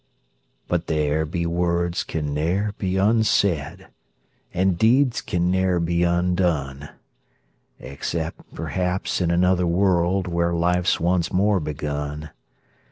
But there be words can ne'er be unsaid, And deeds can ne'er be undone, Except perhaps in another world, Where life's once more begun.